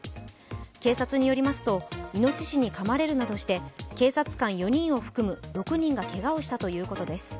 警察によりますといのししにかまれるなどして警察官４人を含む６人がけがをしたということです。